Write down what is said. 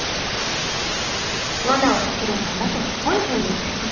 わなをかければあなたはほいほいやって来る。